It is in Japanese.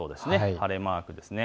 晴れマークです。